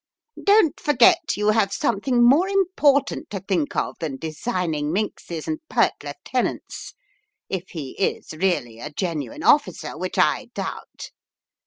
"Don't forget you have something more important to think of than designing minxes and pert Lieutenants, if he is really a genuine officer, which I doubt.